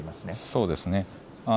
そうです。